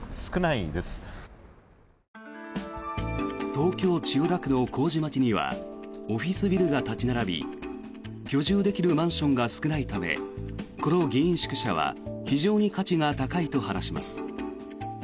東京・千代田区の麹町にはオフィスビルが立ち並び居住できるマンションが少ないためこの議員宿舎は非常に価値が高いと話します。